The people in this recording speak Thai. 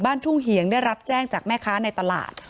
ทุ่งเหียงได้รับแจ้งจากแม่ค้าในตลาด